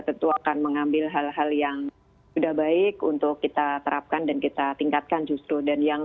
tentu akan mengambil hal hal yang sudah baik untuk kita terapkan dan kita tingkatkan justru dan yang